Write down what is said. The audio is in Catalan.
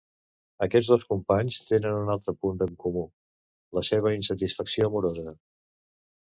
Aquests dos companys tenen un altre punt en comú: la seva insatisfacció amorosa.